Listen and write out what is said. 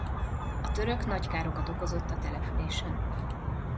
A török nagy károkat okozott a településen.